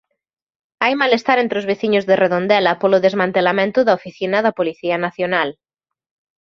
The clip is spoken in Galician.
Hai malestar entre os veciños de Redondela polo desmantelamento da oficina da Policía Nacional.